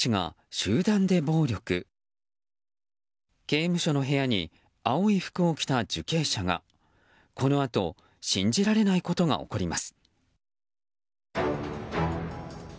刑務所の部屋に青い服を着た受刑者がこのあと信じられないことが起こります。